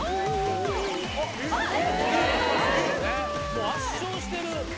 もう圧勝してる。